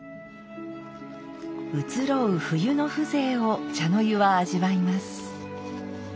移ろう冬の風情を茶の湯は味わいます。